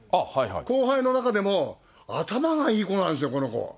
後輩の中でも、頭がいい子なんですよ、この子。